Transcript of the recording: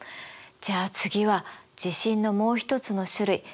じゃあ次は地震のもう一つの種類